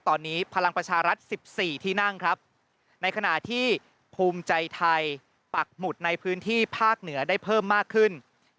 ตอนนี้พลังประชารัฐ๑๔ที่นั่งครับในขณะที่ภูมิใจไทยปักหมุดในพื้นที่ภาคเหนือได้เพิ่มมากขึ้น